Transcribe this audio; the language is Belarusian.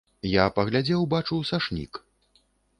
Я паглядзеў, бачу, сашнік.